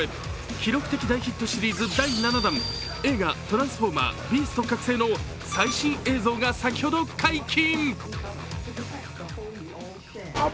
記録的大ヒットシリーズ第７弾、映画「トランスフォーマー／ビースト覚醒」の最新映像が先ほど解禁。